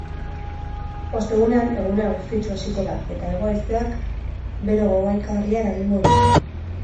Ostegunean, eguna eguzkitsu hasiko da eta hego-haizeak bero gogaikarria eragingo du.